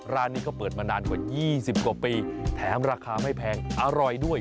ร้านนี้เขาเปิดมานานกว่า๒๐กว่าปีแถมราคาไม่แพงอร่อยด้วย